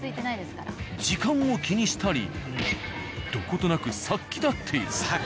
時間を気にしたりどことなく殺気立っている。